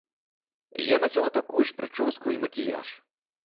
Я насіла такую ж прычоску і макіяж.